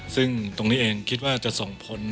ซึ่งตรงนี้เองคิดว่าจะส่งผล